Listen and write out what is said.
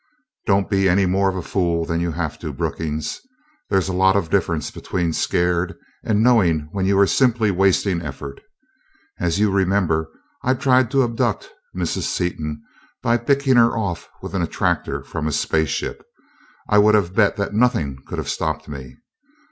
"Don't be any more of a fool than you have to, Brookings. There's a lot of difference between scared and knowing when you are simply wasting effort. As you remember, I tried to abduct Mrs. Seaton by picking her off with an attractor from a space ship. I would have bet that nothing could have stopped me.